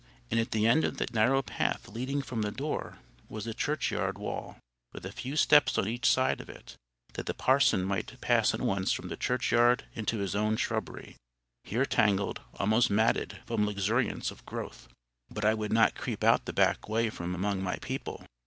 And at the end of the narrow path leading from the door, was the churchyard wall, with a few steps on each side of it, that the parson might pass at once from the churchyard into his own shrubbery, here tangled, almost matted, from luxuriance of growth. But I would not creep out the back way from among my people.